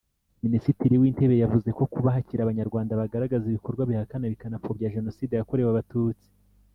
Minisitiri w’Intebe yavuze ko kuba hakiri abanyarwanda bagaragaza ibikorwa bihakana bikanapfobya Jenoside yakorewe abatutsi